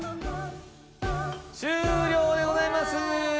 終了でございます！